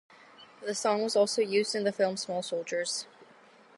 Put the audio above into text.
The song was also used in the film "Small Soldiers".